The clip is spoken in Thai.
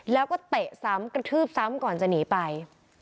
แล้วก็เตะซ้ำกระทืบซ้ำก่อนจะหนีไป